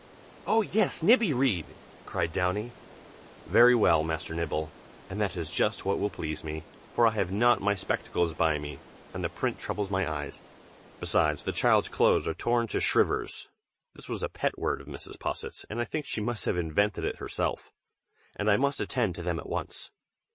"Oh! yes, Nibby, read!" cried Downy. "Very well, Master Nibble, and that is just what will please me, for I have not my spectacles by me, and the print troubles my eyes. Besides, the child's clothes are torn to shrivers, (this was a pet word of Mrs. Posset's, and I think she must have invented it herself,) and I must attend to them at once."